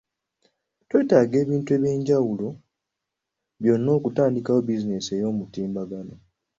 Teweetaaga bintu bya njawulo byonna, okutandikawo bizinensi y'oku mutimbagano.